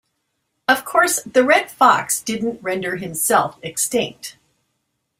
Of course, the red fox didn't render himself extinct.